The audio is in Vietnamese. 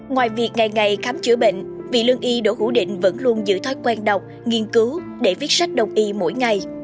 ngoài việc ngày ngày khám chữa bệnh vị lương y đỗ hữu định vẫn luôn giữ thói quen đọc nghiên cứu để viết sách đồng y mỗi ngày